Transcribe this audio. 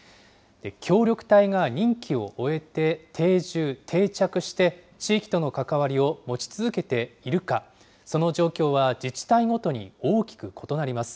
協力隊が任期を終えて定住・定着して、地域との関わりを持ち続けているか、その状況は自治体ごとに大きく異なります。